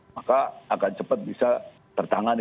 maka akan cepat bisa tertangani